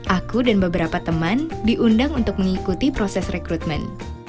aku dan beberapa teman diundang untuk mengikuti proses rekrutmen